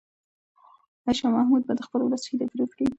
آیا شاه محمود به د خپل ولس هیلې پوره کړي؟